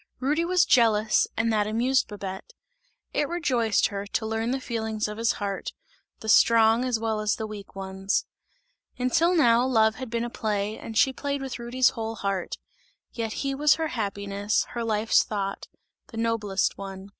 Rudy was jealous and that amused Babette; it rejoiced her, to learn the feelings of his heart, the strong as well as the weak ones. Until now love had been a play and she played with Rudy's whole heart; yet he was her happiness, her life's thought, the noblest one!